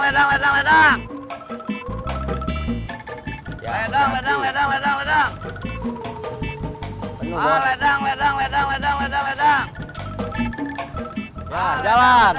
ledang ledang ledang ledang